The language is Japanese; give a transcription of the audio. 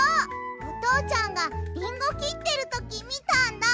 おとうちゃんがリンゴきってるときみたんだ！